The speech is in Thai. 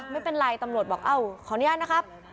ไม่เป็นไรตำรวจบอกเอ้าขออนุญาตนะครับ